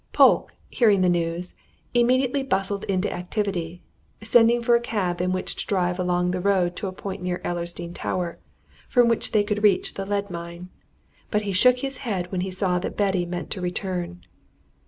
Polke, hearing the news, immediately bustled into activity, sending for a cab in which to drive along the road to a point near Ellersdeane Tower, from which they could reach the lead mine. But he shook his head when he saw that Betty meant to return.